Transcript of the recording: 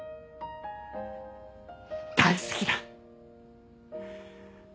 大好きだ。